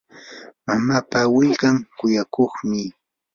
mamapa willkan kuyakuqmi.